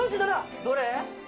「どれ？」